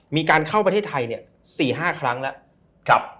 มีการเข้าประเทศไทย๔๕ครั้งแล้ว